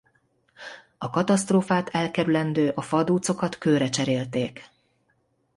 A katasztrófát elkerülendő a fa dúcokat kőre cserélték.